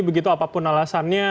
begitu apapun alasannya